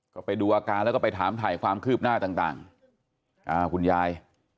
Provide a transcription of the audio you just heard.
ก็ไปดูอาการแล้วก็ไปถามถ่ายความคืบหน้าต่างคุณยาย